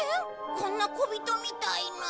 こんな小人みたいな。